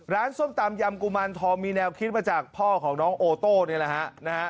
ส้มตำยำกุมารทองมีแนวคิดมาจากพ่อของน้องโอโต้นี่แหละฮะนะฮะ